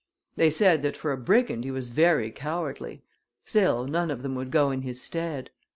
They said that, for a brigand, he was very cowardly; still none of them would go in his stead.